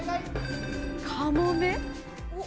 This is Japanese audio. カモメ？